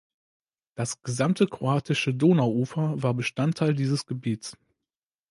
Das gesamte kroatische Donauufer war Bestandteil dieses Gebiets.